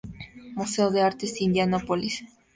Museo de Artes de Indianápolis.